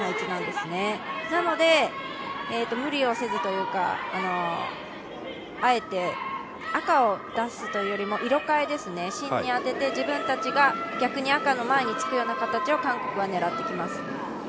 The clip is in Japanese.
なので、無理をせずというか、あえて赤を出すというよりも色変えですね、芯に当てて自分たちが逆に赤の前につくような形を韓国は狙ってきます。